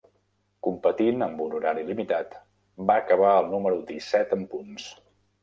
Competint amb un horari limitat, va acabar el número disset en punts.